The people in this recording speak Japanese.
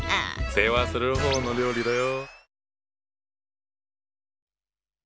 「世話する」方の料理だよ。